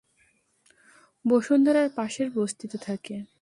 বসুন্ধরার পাশের বস্তিতে থাকে।